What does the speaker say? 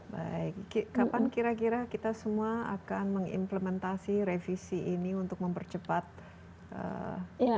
baik kapan kira kira kita semua akan mengimplementasi revisi ini untuk mempercepat ini